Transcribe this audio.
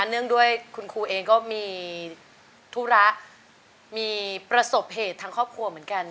เนื่องด้วยคุณครูเองก็มีธุระมีประสบเหตุทางครอบครัวเหมือนกัน